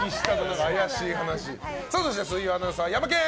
そして水曜アナウンサーはヤマケン！